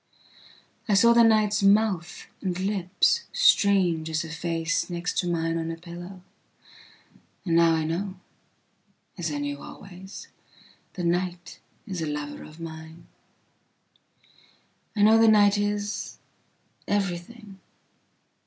I saw the night's mouth and lipsstrange as a face next to mine on a pillowand now I know … as I knew always …the night is a lover of mine …I know the night is … everything.